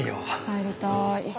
帰りたい。